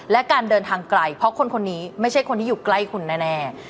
และการเดินทางไกลเพราะคนคนนี้ไม่ใช่คนที่อยู่ใกล้คุณแน่